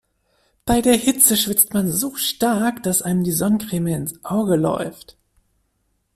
Bei der Hitze schwitzt man so stark, dass einem die Sonnencreme ins Auge läuft.